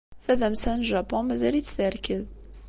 Tadamsa n Japun mazal-itt terked.